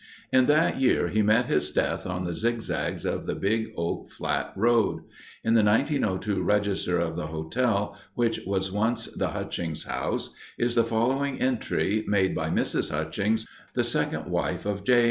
In that year, he met his death on the zigzags of the Big Oak Flat Road. In the 1902 register of the hotel, which was once the Hutchings House, is the following entry made by Mrs. Hutchings, the second wife of J.